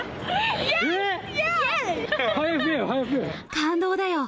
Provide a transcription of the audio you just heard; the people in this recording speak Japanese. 感動だよ。